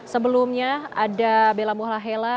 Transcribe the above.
sebelumnya ada bella muhlahela